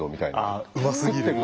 ああうますぎる。